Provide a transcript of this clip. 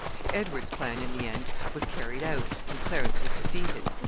Edward's plan, in the end, was carried out, and Clarence was defeated.